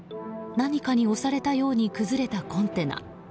何かに押されたように崩れたコンテナ。